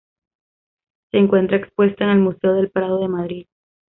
Se encuentra expuesta en el Museo del Prado de Madrid.